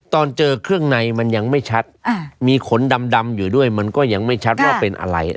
ตอนเจอเครื่องในมันยังไม่ชัดมีขนดำอยู่ด้วยมันก็ยังไม่ชัดว่าเป็นอะไร